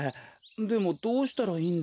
でもどうしたらいいんだ？